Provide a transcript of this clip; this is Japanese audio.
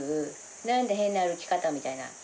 なんだ、変な歩き方みたいな。